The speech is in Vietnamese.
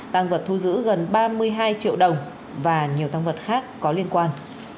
tăng vật thu giữ gần ba mươi hai triệu đồng và nhiều tăng vật khác có liên quan